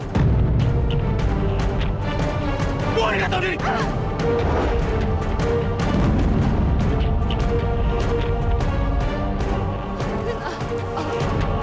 aku akan menangkapmu